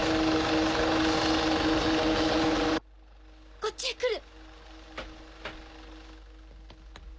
こっちへ来る！